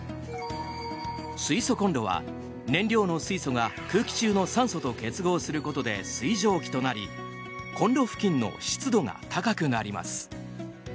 水素コンロは燃料の水素が空気中の酸素と結合することで水蒸気となりコンロ付近の湿度が高くなります。